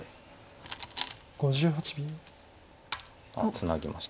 ツナぎました。